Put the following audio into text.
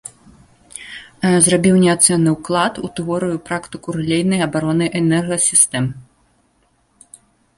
Зрабіў неацэнны ўклад у тэорыю і практыку рэлейнай абароны энергасістэм.